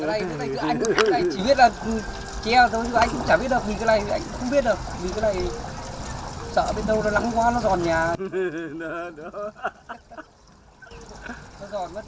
anh chỉ biết là treo thôi anh cũng chả biết đâu vì cái này anh cũng không biết đâu vì cái này sợ bên đâu nó lắng quá nó giòn nhà